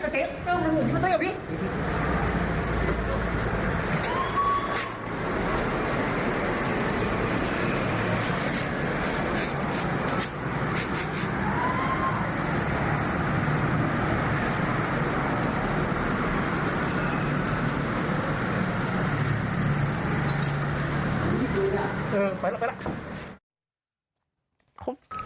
เจ๊เริ่มรู้ไม่ต้องหยุดพี่